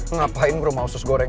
ngapain rumah usus goreng